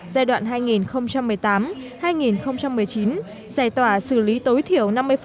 giai đoạn hai nghìn một mươi tám hai nghìn một mươi chín giải tỏa xử lý tối thiểu năm mươi